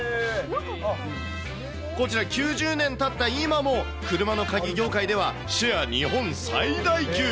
こちら、９０年たった今も、車の鍵業界ではシェア日本最大級。